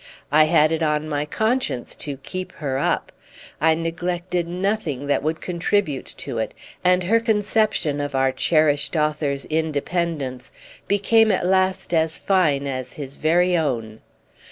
I had it on my conscience to keep her up: I neglected nothing that would contribute to it, and her conception of our cherished author's independence became at last as fine as his very own.